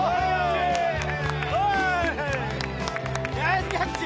おいナイスキャッチや！